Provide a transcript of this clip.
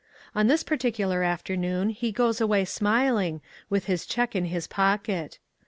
On this par ticular afternoon he goes away smiling, with his check in his pocket.